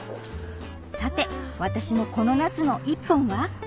さて私のこの夏の一本は？